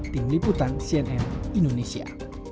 tim liputan cnn indonesia